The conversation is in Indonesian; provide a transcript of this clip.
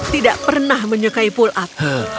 tidak pernah menyukai pulak